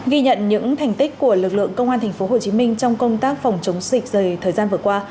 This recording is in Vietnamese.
ghi nhận những thành tích của lực lượng công an tp hcm trong công tác phòng chống dịch dày thời gian vừa qua